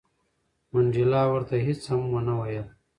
منډېلا ورته هیڅ هم ونه ویل.